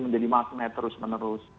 jadi makna terus menerus